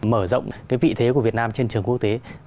mở rộng cái vị thế của việt nam trên trường quốc tế